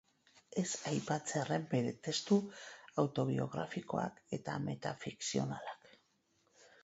Ez aipatzearren bere testu autobiografikoak eta metafikzionalak.